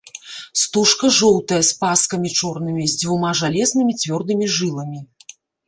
Стужка жоўтая з паскамі чорнымі, з дзвюма жалезнымі цвёрдымі жыламі.